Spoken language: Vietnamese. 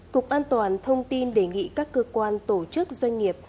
cục an toàn thông tin đề nghị các cơ quan tổ chức doanh nghiệp